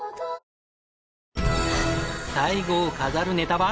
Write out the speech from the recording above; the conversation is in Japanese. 最後を飾るネタは？